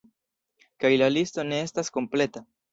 Kaj la listo ne estas kompleta!